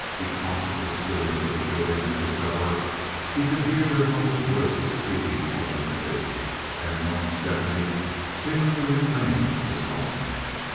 Because of the stillness of the building at this hour he could hear their muffled voices speaking alternately, and once Stephanie singing the refrain of a song.